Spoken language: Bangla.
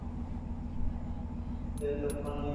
ভালোভাবে নেড়ে মসলার সঙ্গে মিশিয়ে দিয়ে দিতে হবে দেড় কাপ পানি।